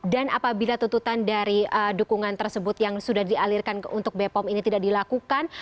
dan apabila tuntutan dari dukungan tersebut yang sudah dialirkan untuk b pom ini tidak dilakukan